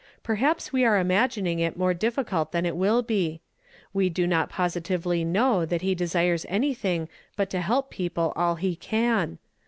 Per haps we are imagining it more (^^ificult than it will be. We do not positively kii. w that he desires anything but to help people all he can.